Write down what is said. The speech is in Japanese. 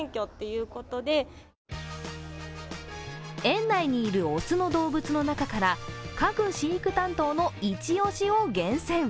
園内にいる雄の動物の中から、各飼育担当のイチ押しを厳選。